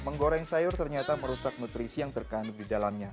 menggoreng sayur ternyata merusak nutrisi yang terkandung di dalamnya